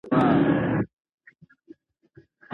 د واده پر مهال ناوړه دودونه مه کوئ.